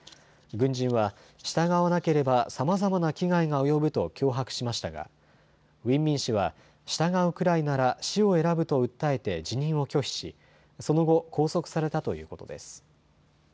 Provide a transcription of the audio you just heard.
軍人は従わなければさまざまな危害が及ぶと脅迫しましたがウィン・ミン氏は従うくらいなら死を選ぶと訴えて辞任を拒否しその後、拘束されたということです。